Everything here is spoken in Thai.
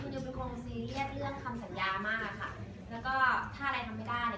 คุณคงสิเรียกเรื่องคำสัญญามากแล้วก็ถ้าอะไรทำไม่ได้